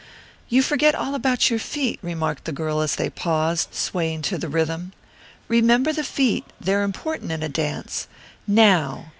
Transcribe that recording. "You forget all about your feet," remarked the girl as they paused, swaying to the rhythm. "Remember the feet they're important in a dance. Now!